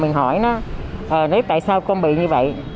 mình hỏi nó tại sao con bị như vậy